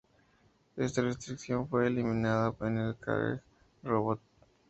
Esta restricción fue eliminada en "Karel J Robot".